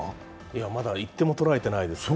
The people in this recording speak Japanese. まだ１点も取られてないです